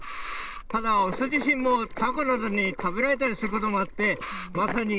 ただ、雄自身もタコなどに食べられたりすることもあっ